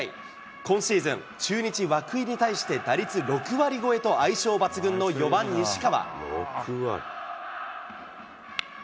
今シーズン、中日、涌井に対して打率６割超えと、相性抜群の４番西川。